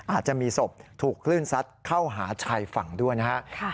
อาจจะมีศพถูกคลื่นซัดเข้าหาชายฝั่งด้วยนะครับ